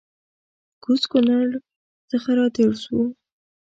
کوز کونړ څخه راتېر سوو